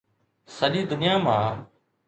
سڄي دنيا مان